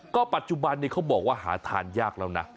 ก็ปัจจุบันนี้เขาบอกว่าหาทานยากแล้วนะ